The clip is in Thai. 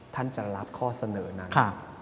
ท่านจะรับข้อเสนอนั้น